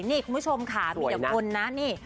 นี่คุณผู้ชมค่ะมีแต่คนนะนี่